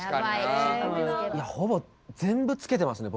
ほぼ全部つけてますね